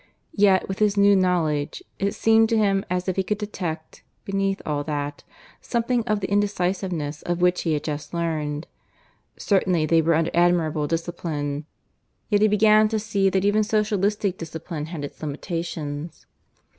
Yet, with his new knowledge, it seemed to him as if he could detect, beneath all that, something of the indecisiveness of which he had just learned. Certainly they were under admirable discipline; yet he began to see that even socialistic discipline had its limitations.